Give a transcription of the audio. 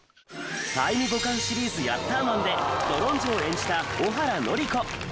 『タイムボカンシリーズヤッターマン』でドロンジョを演じた小原乃梨子。